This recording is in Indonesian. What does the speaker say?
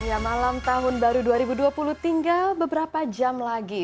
ya malam tahun baru dua ribu dua puluh tinggal beberapa jam lagi